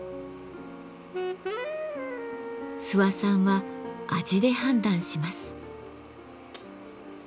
諏訪さんは味で判断します。